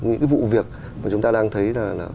những cái vụ việc mà chúng ta đang thấy là